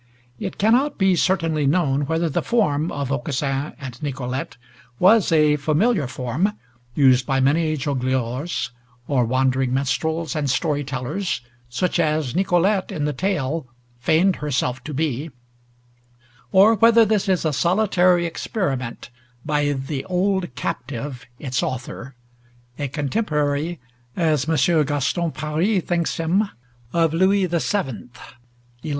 It cannot be certainly known whether the form of "Aucassin and Nicolete" was a familiar form used by many jogleors, or wandering minstrels and story tellers such as Nicolete, in the tale, feigned herself to be, or whether this is a solitary experiment by "the old captive" its author, a contemporary, as M. Gaston Paris thinks him, of Louis VII (1130).